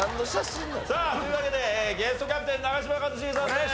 さあというわけでゲストキャプテン長嶋一茂さんです。